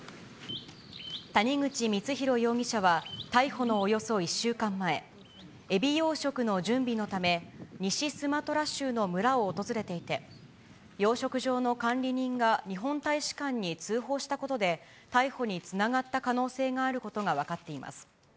谷口光弘容疑者は逮捕のおよそ１週間前、エビ養殖の準備のため、西スマトラ州の村を訪れていて、養殖場の管理人が日本大使館に通報したことで、逮捕につながった可能性があることが分かっています。